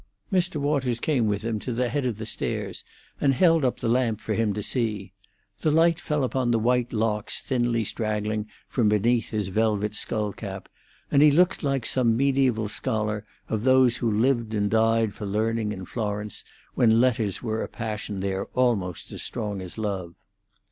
Mr. Waters came with him to the head of the stairs and held up the lamp for him to see. The light fell upon the white locks thinly straggling from beneath his velvet skull cap, and he looked like some mediaeval scholar of those who lived and died for learning in Florence when letters were a passion there almost as strong as love.